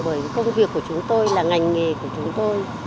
bởi công việc của chúng tôi là ngành nghề của chúng tôi